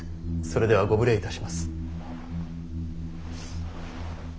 それではご無礼いたします。